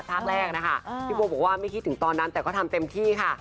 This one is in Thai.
ภาคแรกนะคะพี่โบบอกว่าไม่คิดถึงตอนนั้นแต่ก็ทำเต็มที่ค่ะ